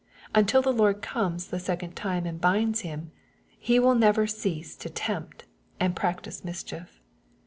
Until the Lord comes the second time and binds him, he will never cease to tempt, and prac tice mischief.